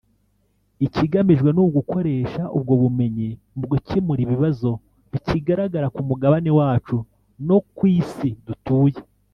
Ikigamijwe ni ugukoresha ubwo bumenyi mu gukemura ibibazo bikigaragara ku mugabane wacu no ku Isi dutuye